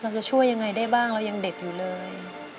จะช่วยยังไงได้บ้างเรายังเด็กอยู่เลย